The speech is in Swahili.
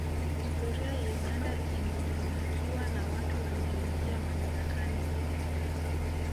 Historia ya Uganda imeghubikwa na watu walioingia madarakani